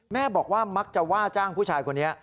แม่บอกว่ามักจะว่าจ้างผู้ชายคนนี้